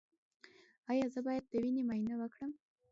ایا زه باید د وینې معاینه وکړم؟